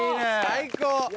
最高！